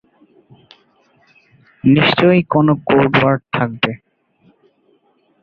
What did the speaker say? নিশ্চয় কোন code word থাকবে।